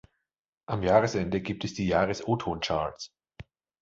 Am Jahresende gibt es die „Jahres O-Ton-Charts“.